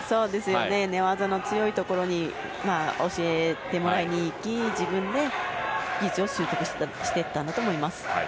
寝技の強いところに教えてもらいに行き自分で技術を習得していったんだと思います。